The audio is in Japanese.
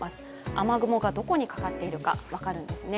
雨雲がどこにかかっているか分かるんですね。